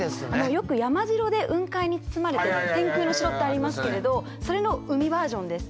よく山城で雲海に包まれて天空の城ってありますけれどそれの海バージョンです。